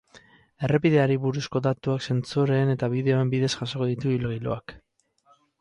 Errepideari buruzko datuak sentsoreen eta bideoen bidez jasoko ditu ibilgailuak.